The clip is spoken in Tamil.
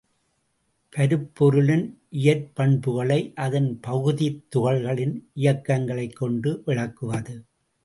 பருப்பொருளின் இயற்பண்புகளை அதன் பகுதித் துகள்களின் இயக்கங்களைக் கொண்டு விளக்குவது.